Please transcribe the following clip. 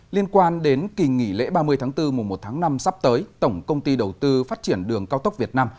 liên quan đến kỳ nghỉ lễ ba mươi tháng bốn mùa một tháng năm sắp tới tổng công ty đầu tư phát triển đường cao tốc việt nam